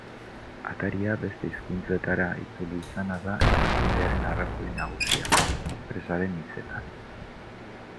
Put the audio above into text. Ataria beste hizkuntzetara itzuli izana da hazkundearen arrazoi nagusia, enpresaren hitzetan.